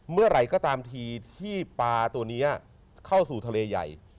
เมื่อไหร่ก็ตามทีที่ปลาตัวนี้เข้าสู่ทะเลใหญ่